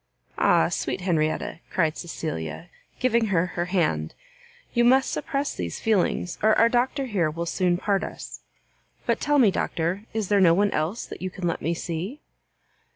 "Ah, sweet Henrietta!" cried Cecilia, giving her her hand, "you must suppress these feelings, or our Doctor here will soon part us. But tell me, Doctor, is there no one else that you can let me see?"